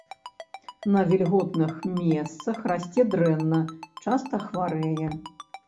На вільготных месцах расце дрэнна, часта хварэе.